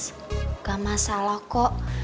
enggak masalah kok